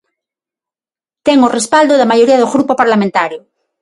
Ten o respaldo da maioría do grupo parlamentario.